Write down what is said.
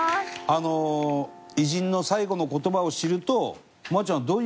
あの偉人の最期の言葉を知ると望亜ちゃん。